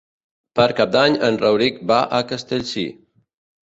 Per Cap d'Any en Rauric va a Castellcir.